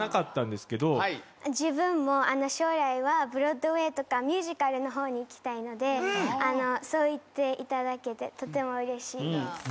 自分も将来はブロードウェーとかミュージカルのほうに行きたいのでそう言っていただけてとてもうれしいです。